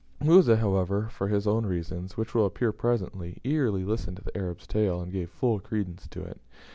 Musa, however, for his own reasons which will appear presently eagerly listened to the Arab's tale, and gave full credence to it.